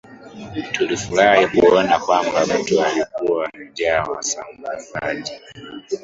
Tulifurahi kuona kwamba mtu alikuwa amejaa wasambazaji